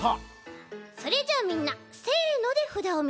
それじゃあみんな「せの」でふだをみせるち。